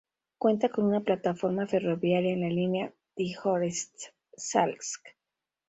Cuenta con una plataforma ferroviaria en la línea Tijoretsk-Salsk.